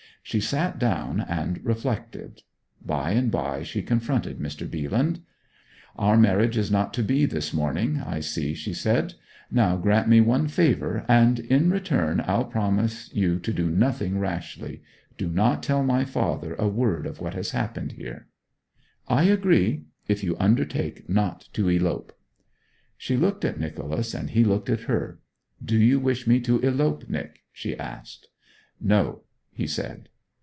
She sat down and reflected. By and by she confronted Mr. Bealand. 'Our marriage is not to be this morning, I see,' she said. 'Now grant me one favour, and in return I'll promise you to do nothing rashly. Do not tell my father a word of what has happened here.' 'I agree if you undertake not to elope.' She looked at Nicholas, and he looked at her. 'Do you wish me to elope, Nic?' she asked. 'No,' he said.